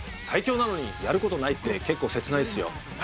最強なのにやることないって結構せつないっすよ